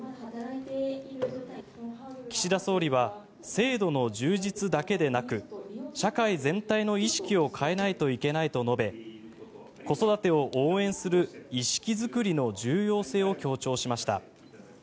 岸田総理は制度の充実だけでなく社会全体の意識を変えないといけないと述べ子育てを応援する意識作りの重要性を強調しました。